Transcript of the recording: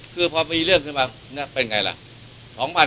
คือพอมีเรื่องขึ้นมาเป็นไงล่ะ